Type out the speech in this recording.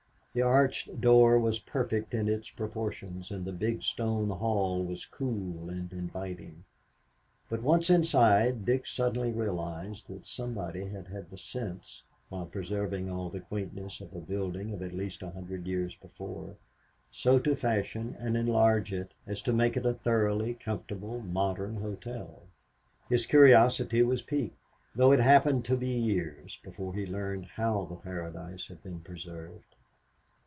The arched door was perfect in its proportions, and the big stone hall was cool and inviting. But once inside, Dick suddenly realized that somebody had had the sense, while preserving all the quaintness of a building of at least a hundred years before, so to fashion and enlarge it as to make a thoroughly comfortable, modern hotel. His curiosity was piqued, though it happened to be years before he learned how the Paradise had been preserved.